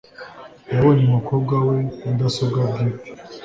Yabonye umukobwa we mudasobwa bwite.